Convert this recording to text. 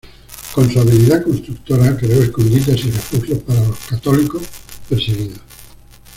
Con su habilidad constructora creó escondites y refugios para los católicos perseguidos.